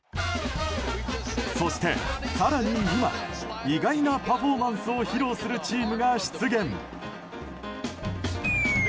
そして、更に今意外なパフォーマンスを披露するチームが出現。